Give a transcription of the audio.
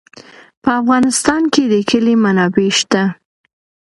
په افغانستان کې د کلي منابع شته.